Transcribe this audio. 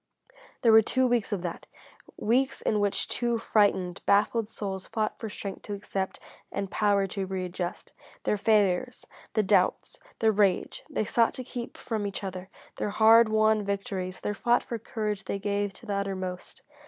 There were two weeks of that: weeks in which two frightened, baffled souls fought for strength to accept and power to readjust. Their failures, the doubts, the rage, they sought to keep from each other; their hard won victories, their fought for courage they gave to the uttermost.